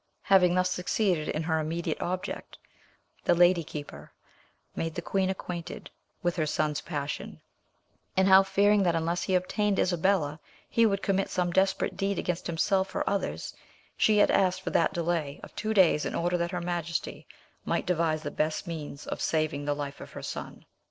Having thus succeeded in her immediate object, the lady keeper made the queen acquainted with her son's passion, and how, fearing that unless he obtained Isabella he would commit some desperate deed against himself or others, she had asked for that delay of two days in order that her majesty might devise the best means of saving the life of her son.